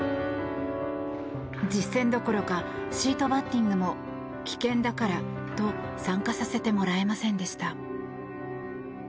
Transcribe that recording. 実戦どころかシートバッティングも危険だからと参加させてもらえませんでした。